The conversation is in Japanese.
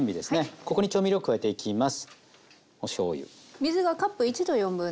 ここに調味料加えていきます。